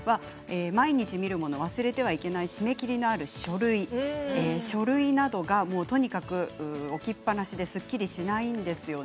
毎日見るもの忘れてはいけない締め切りのある書類などがとにかく置きっぱなしですっきりしないんですよね。